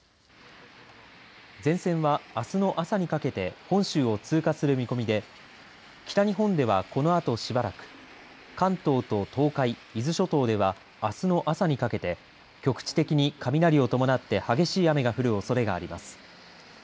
前線は、あすの朝にかけて本州を通過する見込みで北日本では、このあとしばらく関東と東海、伊豆諸島ではあすの朝にかけて局地的に雷を伴って激しい雨が降るおそれがあります。